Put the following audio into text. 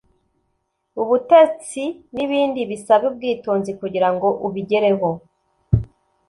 ubutetsi n’ibindi bisaba ubwitonzi kugira ngo ubigereho